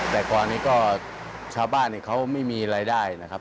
แต่ก่อนนี้ก็ชาวบ้านเขาไม่มีรายได้นะครับ